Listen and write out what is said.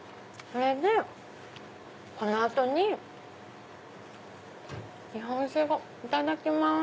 それでこの後に日本酒をいただきます。